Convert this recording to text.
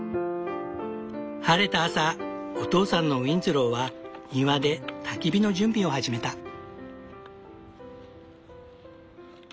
晴れた朝お父さんのウィンズローは庭でたき火の準備を始めた。